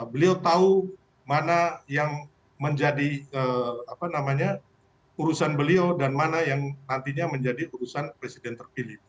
beliau tahu mana yang menjadi urusan beliau dan mana yang nantinya menjadi urusan presiden terpilih